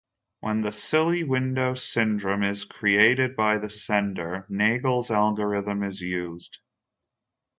When the silly window syndrome is created by the sender, Nagle's algorithm is used.